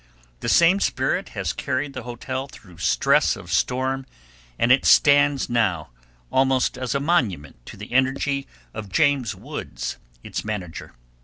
The same spirit has carried the hotel through stress of storm and it stands now, almost as a monument to the energy of James Woods, its manager.